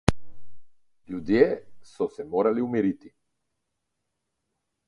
Ljudje so se morali umiriti.